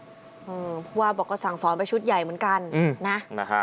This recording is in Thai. เพราะว่าบอกก็สั่งสอนไปชุดใหญ่เหมือนกันนะนะฮะ